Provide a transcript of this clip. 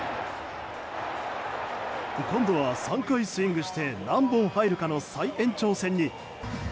今度は３回スイングして何本入るかの再延長戦に。